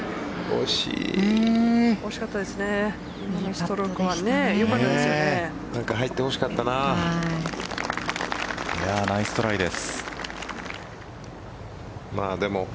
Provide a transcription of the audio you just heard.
惜しかったですね。